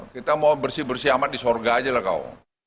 kita mau bersih bersih amat di sorga aja lah kau